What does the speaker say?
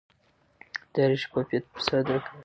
اداري شفافیت فساد راکموي